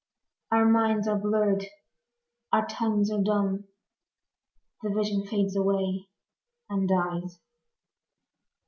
Our minds are blurred, our tongues are dumb, The vision fades away and dies.